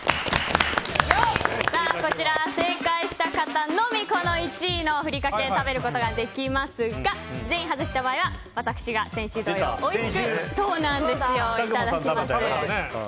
こちら正解した方のみ１位のふりかけ食べることができますが全員外した場合は私が先週同様おいしくいただきます。